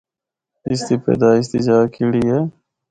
اس دی پیدائش دی جا کِڑی ہے۔